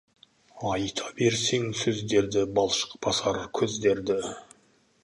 Айта берсең сөздерді, балшық басар көздерді.